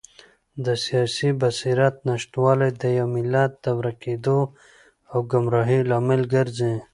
د سیاسي بصیرت نشتوالی د یو ملت د ورکېدو او ګمراهۍ لامل ګرځي.